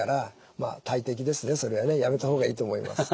まあ大敵ですねそれはね。やめた方がいいと思います。